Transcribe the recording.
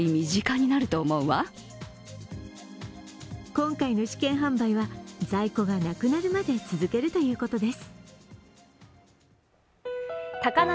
今回の試験販売は在庫がなくなるまで続けるということです。